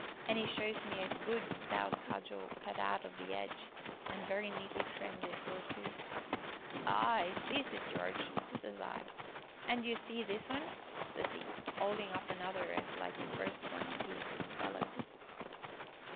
an' 'e shows me a good, stout cudgel cut out o' th' 'edge, an' very neatly trimmed it were too. 'Ah! I sees it, Jarge,' says I. 'An' d'ye see this un?' says 'e, 'oldin' up another as like the first as one pea to its fellow.